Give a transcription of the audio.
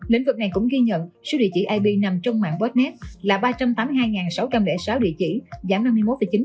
lĩnh vực này cũng ghi nhận số địa chỉ ip nằm trong mạng botnet là ba trăm tám mươi hai sáu trăm linh sáu địa chỉ giảm năm mươi một chín